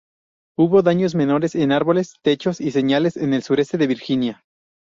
Hubo daños menores en árboles, techos y señales en el sureste de Virginia.